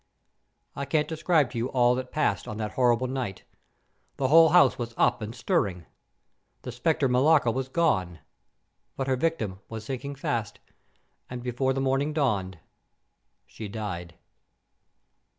"I can't describe to you all that passed on that horrible night. The whole house was up and stirring. The specter Millarca was gone. But her victim was sinking fast, and before the morning dawned, she died."